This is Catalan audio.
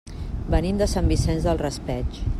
Venim de Sant Vicent del Raspeig.